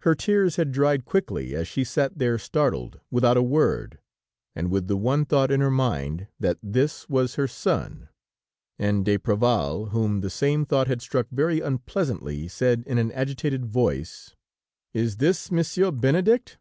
Her tears had dried quickly, as she sat there startled, without a word, and with the one thought in her mind, that this was her son, and d'Apreval, whom the same thought had struck very unpleasantly, said in an agitated voice: "Is this Monsieur Benedict?"